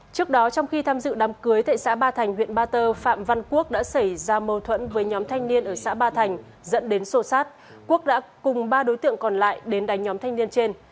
trước đó trong khi tham dự đám cưới tại xã ba thành huyện ba tơ phạm văn quốc đã xảy ra mâu thuẫn với nhóm thanh niên ở xã ba thành dẫn đến sổ sát quốc đã cùng ba đối tượng còn lại đến đánh nhóm thanh niên trên